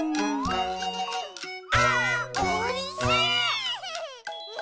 「あーおいしい！」